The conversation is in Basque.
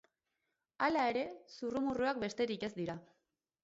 Hala ere, zurrumurruak besterik ez dira.